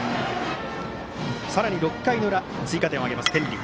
さらに６回の裏追加点を挙げます天理。